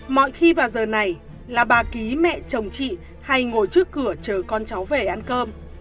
mọi khi vào giờ này là bà ký mẹ chồng chị hay ngồi trước cửa chờ con cháu về ăn cơm